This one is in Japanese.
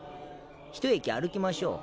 一駅歩きましょう。